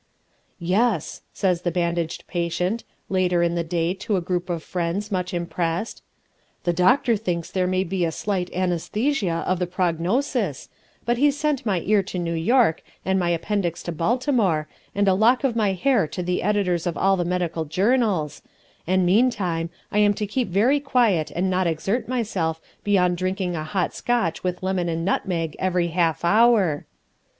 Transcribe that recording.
"Yes," says the bandaged patient, later in the day to a group of friends much impressed, "the doctor thinks there may be a slight anaesthesia of the prognosis, but he's sent my ear to New York and my appendix to Baltimore and a lock of my hair to the editors of all the medical journals, and meantime I am to keep very quiet and not exert myself beyond drinking a hot Scotch with lemon and nutmeg every half hour."